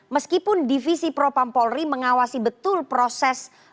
meskipun divisi propam polri mengawasi betul proses